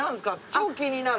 超気になる。